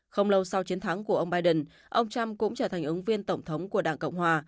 không lâu sau chiến thắng của ông biden ông trump cũng trở thành ứng viên tổng thống của đảng cộng hòa